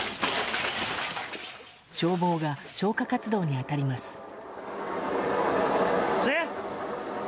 消防が消火活動に当たります。